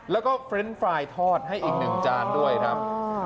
แล้วก็เฟรนด์ฟรายทอดให้อีก๑จานด้วยครับ